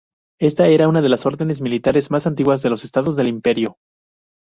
Esta era una de los órdenes militares más antiguas de los estados del Imperio.